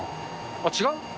あっ、違う？